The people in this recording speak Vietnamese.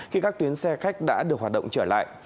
khi các tuyến xe khách đã được hoạt động trở lại